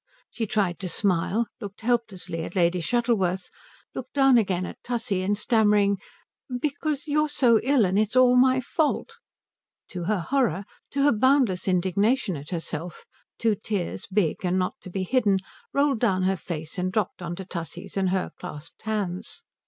She tried to smile; looked helplessly at Lady Shuttleworth; looked down again at Tussie; and stammering "Because you are so ill and it's all my fault," to her horror, to her boundless indignation at herself, two tears, big and not to be hidden, rolled down her face and dropped on to Tussie's and her clasped hands.